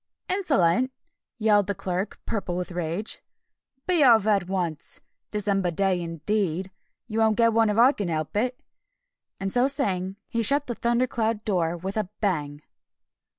"Insolent!" yelled the Clerk, purple with rage. "Be off at once! December day, indeed! You won't get one if I can help it!" And so saying, he shut the thundercloud door with a bang!